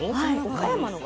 岡山のが？